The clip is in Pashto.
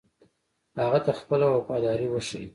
هغه ته خپله وفاداري وښيي.